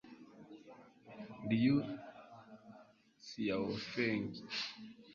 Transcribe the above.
Liu Xiaofeng